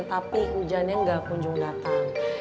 tapi hujannya nggak kunjung datang